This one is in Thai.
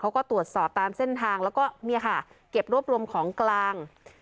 เขาก็ตรวจสอบตามเส้นทางแล้วก็เนี่ยค่ะเก็บรวบรวมของกลาง